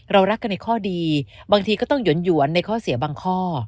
รักกันในข้อดีบางทีก็ต้องหยวนในข้อเสียบางข้อ